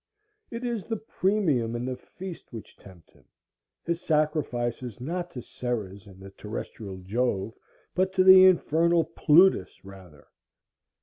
It is the premium and the feast which tempt him. He sacrifices not to Ceres and the Terrestrial Jove, but to the infernal Plutus rather.